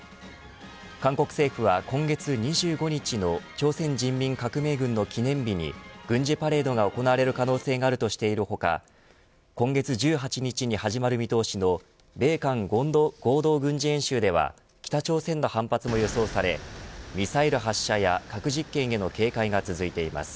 韓国政府は今月２５日の朝鮮人民革命軍の記念日に軍事パレードが行われる可能性があるとしている他今月１８日に始まる見通しの米韓合同軍事演習では北朝鮮の反発も予想されミサイル発射や核実験への警戒が続いています。